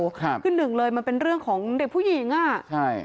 คือหนึ่งเลยมันเป็นเรื่องของเด็กผู้หญิงอ่ะใช่